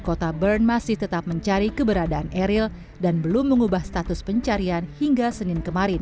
kota bern masih tetap mencari keberadaan eril dan belum mengubah status pencarian hingga senin kemarin